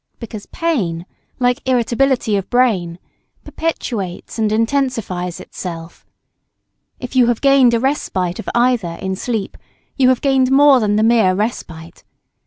Because pain, like irritability of brain, perpetuates and intensifies itself. If you have gained a respite of either in sleep you have gained more than the mere respite.